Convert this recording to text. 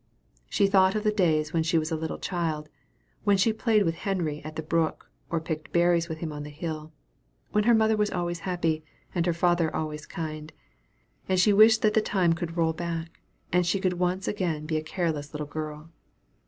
She thought of the days when she was a little child; when she played with Henry at the brook, or picked berries with him on the hill; when her mother was always happy, and her father always kind; and she wished that the time could roll back, and she could again be a careless little girl.